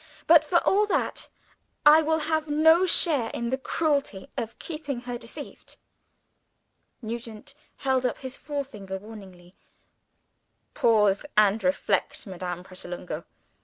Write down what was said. "But, for all that, I will have no share in the cruelty of keeping her deceived." Nugent held up his forefinger, warningly. "Pause, and reflect, Madame Pratolungo!